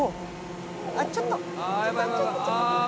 「あっちょっとちょっとちょっと」